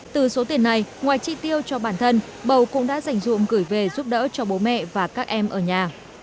từ số tiền này ngoài chi tiêu cho bản thân bầu cũng đã dành ruộng gửi về giúp đỡ cho bố mẹ và các em ở nhà